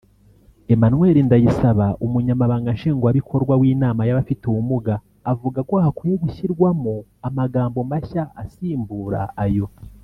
Emmanuel Ndayisaba umunyamabanga nshingwabikorwa w’inama y’abafite ubumuga avuga ko hagakwiye gushyirwamo amagambo mashya asimbura ayo